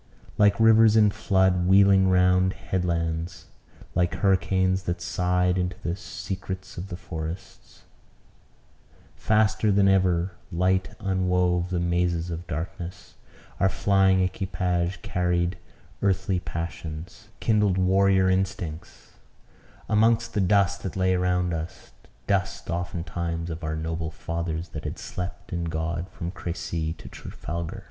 Like rivers in flood, wheeling round headlands; like hurricanes that side into the secrets of forests; faster than ever light unwove the mazes of darkness, our flying equipage carried earthly passions kindled warrior instincts amongst the dust that lay around us; dust oftentimes of our noble fathers that had slept in God from Créci to Trafalgar.